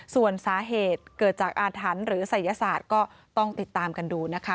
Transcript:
ส่วนสาเหตุเกิดจากอาถรรพ์หรือศัยศาสตร์ก็ต้องติดตามกันดูนะคะ